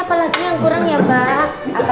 apalagi yang kurang ya mbak